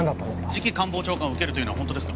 次期官房長官を受けるというのは本当ですか？